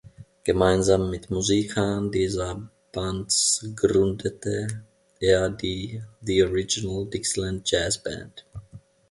Gemeinsam mit Musikern dieser Bands gründete er die The Original Dixieland Jass Band.